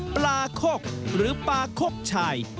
ปลาคกหรือปลาคกชาย